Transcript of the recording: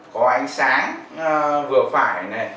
có ánh sáng vừa phải này